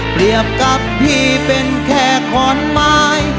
เปรียบกับพี่เป็นแค่ขอนไม้